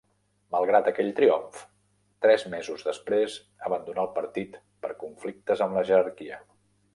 Malgrat aquell triomf, tres mesos després abandonà el partit per conflictes amb la jerarquia.